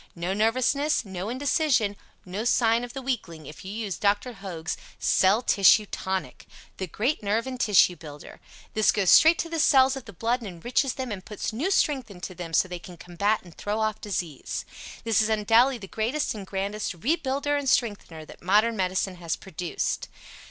No nervousness, no indecision, no signs of the weakling if you use Dr. Hoag's CELL TISSUE TONIC The great nerve and tissue builder. This goes straight to the cells of the blood and enriches them and puts new strength into them so they can combat and throw off disease. This is undoubtedly the greatest and grandest REBUILDER AND STRENGTHENER that modern medicine has produced.